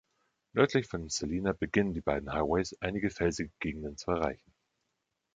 Nördlich von Salina beginnen die beiden Highways, einige felsige Gegenden zu erreichen.